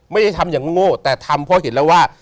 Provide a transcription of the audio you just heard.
ไม่ได้ทำอย่างโง่แต่ทำเพราะเห็นแล้วว่า